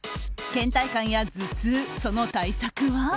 倦怠感や頭痛、その対策は？